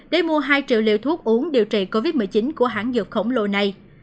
để mua hai triệu liều thuốc uống điều trị covid một mươi chín của hãng dược khổng lồ này